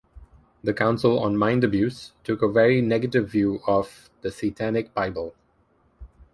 The Council on Mind Abuse took a very negative view of "The Satanic Bible".